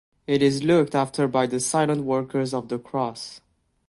It is looked after by the Silent Workers of the Cross.